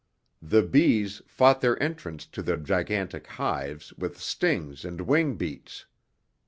The bees fought their entrance to the gigantic hives with stings and wingbeats.